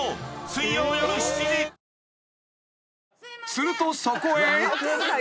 ［するとそこへ］